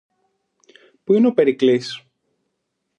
Πού είναι ο Περικλής;